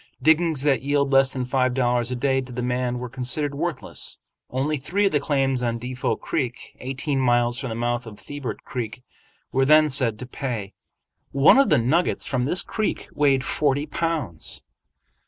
Diggings that yield less than five dollars a day to the man were considered worthless. Only three of the claims on Defot Creek, eighteen miles from the mouth of Thibert Creek, were then said to pay. One of the nuggets from this creek weighed forty pounds.